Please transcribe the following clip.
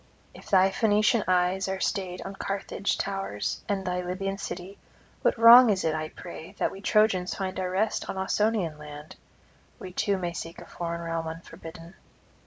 If thy Phoenician eyes are stayed on Carthage towers and thy Libyan city, what wrong is it, I pray, that we Trojans find our rest on Ausonian land? We too may seek a foreign realm unforbidden.